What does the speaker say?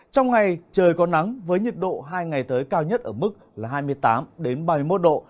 trong ngày trời có nắng với nhiệt độ hai ngày tới cao nhất ở mức hai mươi tám ba mươi một độ